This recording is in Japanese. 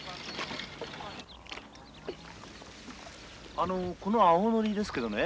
あのこの青ノリですけどね